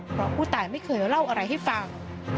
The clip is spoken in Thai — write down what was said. เพราะผู้ตายไม่เคยเล่าอะไรให้ฟัง